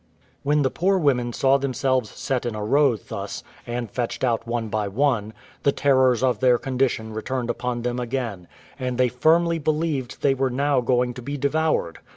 When the poor women saw themselves set in a row thus, and fetched out one by one, the terrors of their condition returned upon them again, and they firmly believed they were now going to be devoured.